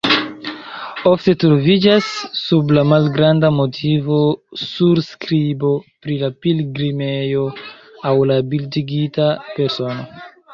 Ofte troviĝas sub la malgranda motivo surskribo pri la pilgrimejo aŭ la bildigita persono.